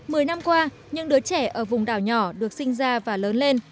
mười năm qua những đứa trẻ ở vùng đảo nhỏ được sinh ra và lớn lên